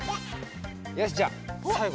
よしじゃあさいご。